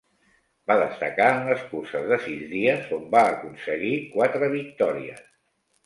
Va destacar en les curses de sis dies on va aconseguir quatre victòries.